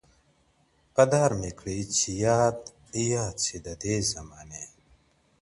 o په دار مي کړئ چي ياد – یاد سي د دې زمانې